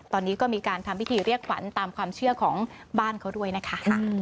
ตอนนี้ก็มีการทำพิธีเรียกขวัญตามความเชื่อของบ้านเขาด้วยนะคะ